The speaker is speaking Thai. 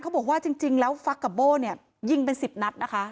เขาบอกว่าจริงแล้วฟักกับโบ้เนี่ยยิงเป็น๑๐นัดนะคะ